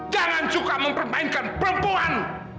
jangan suka mempermainkan perempuan